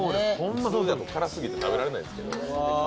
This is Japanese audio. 普通だと辛すぎて食べられない。